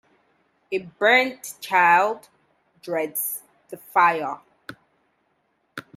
A burnt child dreads the fire.